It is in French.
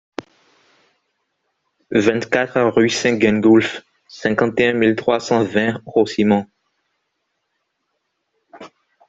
vingt-quatre rue Saint-Gengoulf, cinquante et un mille trois cent vingt Haussimont